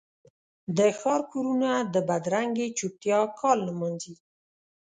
د ښار کورونه د بدرنګې چوپتیا کال نمانځي